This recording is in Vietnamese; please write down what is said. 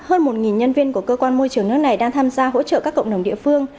hơn một nhân viên của cơ quan môi trường nước này đang tham gia hỗ trợ các cộng đồng địa phương